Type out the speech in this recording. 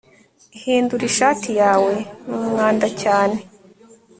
hindura ishati yawe. ni umwanda cyane